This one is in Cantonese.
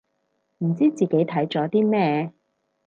唔知自己睇咗啲咩